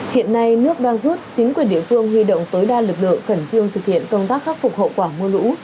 hiện nay nước đang rút chính quyền địa phương huy động tối đa lực lượng khẩn trương thực hiện công tác khắc phục hậu quả mưa lũ